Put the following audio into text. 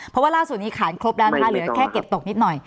เพราะว่าล่าสุดนี้ขานครบแล้วนะคะเหลือแค่เก็บตกนิดหน่อย